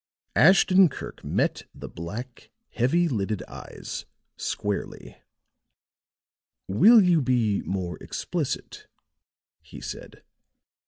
Ashton Kirk met the black, heavy lidded eyes squarely. "Will you be more explicit?" he said.